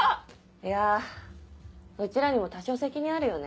いやぁうちらにも多少責任あるよね。